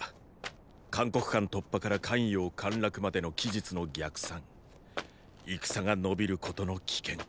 函谷関突破から咸陽陥落までの期日の逆算戦が延びることの危険。